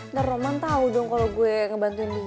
ntar roman tahu dong kalau gue ngebantuin dia